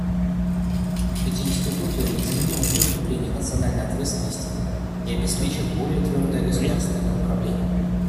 Эти институты незаменимы для укрепления национальной ответственности и обеспечат более твердое государственное управление.